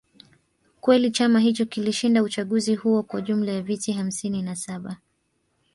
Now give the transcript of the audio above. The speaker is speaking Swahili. kweli chama hicho kilishinda uchaguzi huo kwa jumla ya viti hamsini na saba